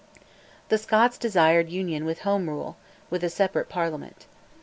The Scots desired Union with Home Rule, with a separate Parliament.